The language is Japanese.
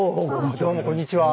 どうもこんにちは。